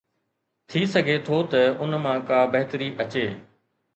ٿي سگهي ٿو ته ان مان ڪا بهتري اچي.